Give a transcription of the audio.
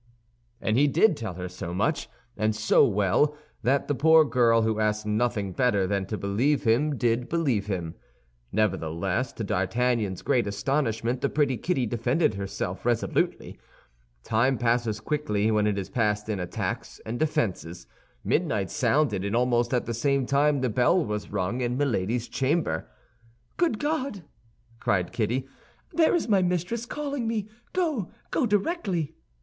And he did tell her so much, and so well, that the poor girl, who asked nothing better than to believe him, did believe him. Nevertheless, to D'Artagnan's great astonishment, the pretty Kitty defended herself resolutely. Time passes quickly when it is passed in attacks and defenses. Midnight sounded, and almost at the same time the bell was rung in Milady's chamber. "Good God," cried Kitty, "there is my mistress calling me! Go; go directly!"